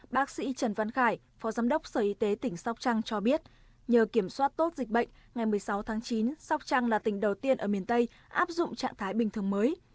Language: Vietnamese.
bác sĩ trần văn khải phó giám đốc sở y tế tỉnh sóc trăng cho biết nhờ kiểm soát tốt dịch bệnh ngày một mươi sáu tháng chín sóc trăng là tỉnh đầu tiên ở miền tây áp dụng trạng thái bình thường mới